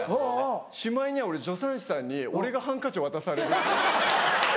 しまいには俺助産師さんに俺がハンカチ渡されるっていう。